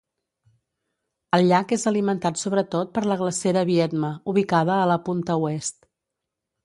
El llac és alimentat sobretot per la Glacera Viedma, ubicada a la punta oest.